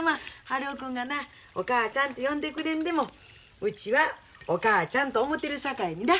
春男君がなお母ちゃんて呼んでくれんでもうちはお母ちゃんと思てるさかいにな。